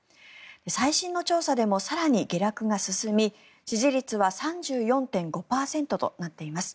最新の調査でも更に下落は進み支持率は３４．５％となっています。